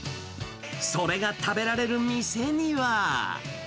それが食べられる店には。